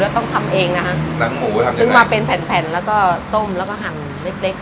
ต้องทำเองนะฮะซึ่งมาเป็นแผ่นแล้วก็ต้มแล้วก็หั่นเล็ก